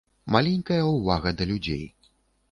Маленькая ўвага да людзей.